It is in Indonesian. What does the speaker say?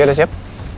copy ya siap